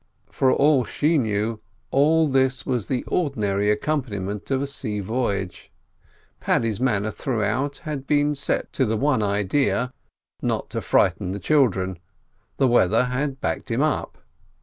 For all she knew all this was the ordinary accompaniment of a sea voyage. Paddy's manner throughout had been set to the one idea, not to frighten the "childer"; the weather had backed him up.